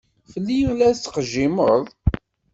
Fell-i i la tettqejjimeḍ?